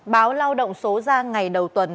báo lao động số ra ngày đầu tuần